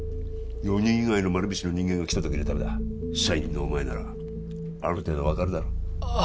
４人以外の丸菱の人間が来た時のためだ社員のお前ならある程度分かるだろああ